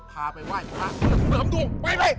จะพาไปว่ายฮะเพื่อหัมตูไป